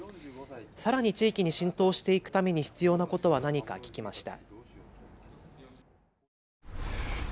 さらに地域に浸透していくために必要なことは何か聞きました。